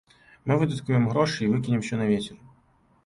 Мы выдаткуем грошы і выкінем усё на вецер.